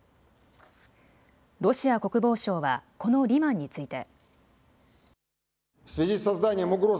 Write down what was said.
ロシア国防省はこのリマンについて。